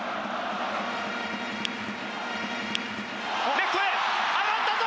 レフトへ上がったぞ！